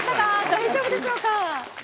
大丈夫でしょうか。